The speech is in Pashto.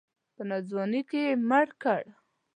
په ناځواني کې یې مړ کړ.